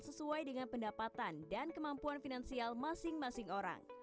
sesuai dengan pendapatan dan kemampuan finansial masing masing orang